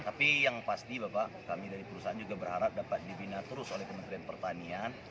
tapi yang pasti bapak kami dari perusahaan juga berharap dapat dibina terus oleh kementerian pertanian